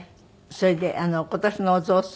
それで今年のお雑炊。